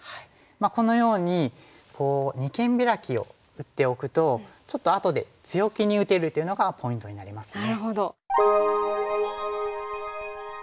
このように二間ビラキを打っておくとちょっとあとで強気に打てるというのがポイントになりますね。